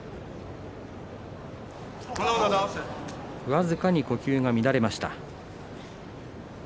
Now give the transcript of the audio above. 僅かに呼吸が乱れました。